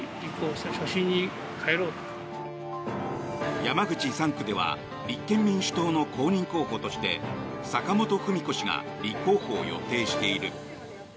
山口３区では立憲民主党の公認候補として坂本史子氏が立候補を予定している。